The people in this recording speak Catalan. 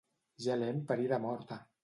Ja l'hem parida morta!